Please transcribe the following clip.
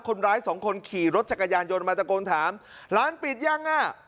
คนร้ายสองคนขี่รถจักรยานยนต์มาตะโกนถามร้านปิดยังอ่ะ